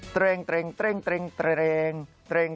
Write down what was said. เตรงเตรงเตรงเตรง